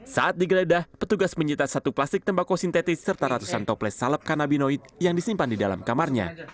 saat digeledah petugas menyita satu plastik tembakau sintetis serta ratusan toples salep kanabinoid yang disimpan di dalam kamarnya